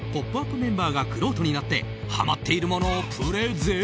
メンバーがくろうとになってハマっているものをプレゼン。